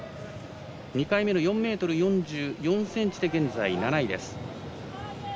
２回目の４ｍ４７ｃｍで現在７位です。